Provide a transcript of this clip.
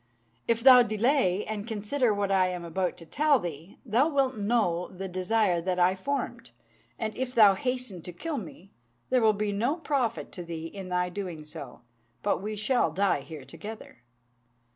If thou delay, and consider what I am about to tell thee, thou wilt know the desire that I formed; and if thou hasten to kill me, there will be no profit to thee in thy doing so, but we shall die here together."